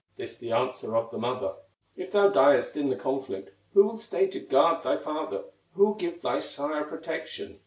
This the answer of the mother: "If thou diest in the conflict, Who will stay to guard thy father, Who will give thy sire protection?"